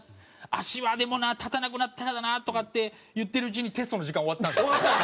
「足はでもな立たなくなったらイヤだな」とかって言ってるうちにテストの時間終わったんですよ。